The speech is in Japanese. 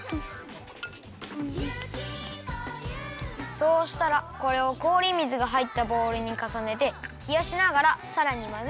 そうしたらこれをこおり水がはいったボウルにかさねてひやしながらさらにまぜるよ。